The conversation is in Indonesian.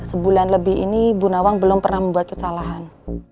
sebulan lebih ini ibu nawang belum pernah membuat kesalahan